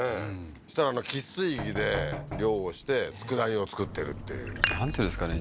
そしたら汽水域で漁をして佃煮を作ってるっていうなんていうんですかね